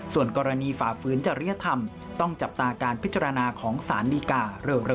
ส่วนกรณีฝ่าฝืนจริยธรรมต้องจับตาการพิจารณาของสารดีกาเร็ว